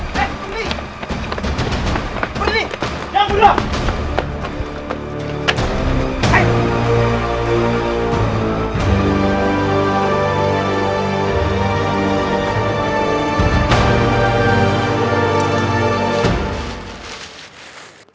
berhenti jangan bergerak